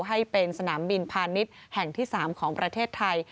ให้เป็นสนามบินพาณิชย์แห่งที่๓ของประเทศไทย